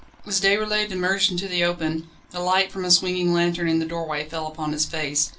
As Déroulède emerged into the open, the light from a swinging lantern in the doorway fell upon his face.